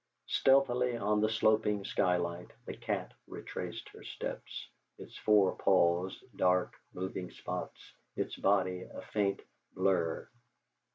Stealthily on the sloping skylight the cat retraced her steps, its four paws dark moving spots, its body a faint blur.